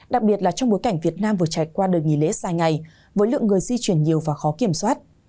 đặc biệt là trong bối cảnh việt nam vừa trải qua đợt nghỉ lễ dài ngày với lượng người di chuyển nhiều và khó kiểm soát